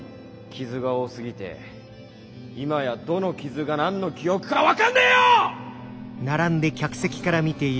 傷が多すぎて今やどの傷が何の記憶か分かんねえよ！